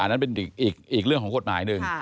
นั่นเป็นอีกเรื่องของกฎหมายหนึ่ง